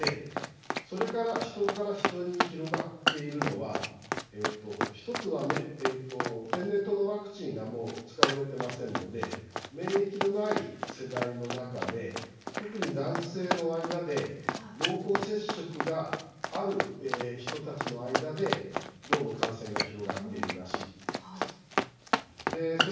それから人から人に広がっているのは１つは、天然痘のワクチンがもう使われていませんので免疫のない世代の中で特に男性の間で濃厚接触がある人たちの間でどうも感染が広がっているらしいということです。